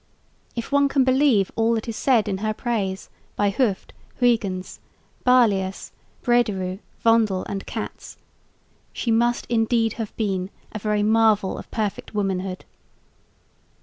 If one could believe all that is said in her praise by Hooft, Huyghens, Barlaeus, Brederôo, Vondel and Cats, she must indeed have been a very marvel of perfect womanhood.